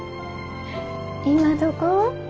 今どこ？